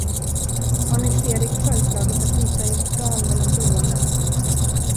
Har Nils Erik föreslagit att visa er stan mellan broarna?